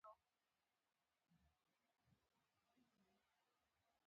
د مفصلونو د روغتیا لپاره باید څه وکړم؟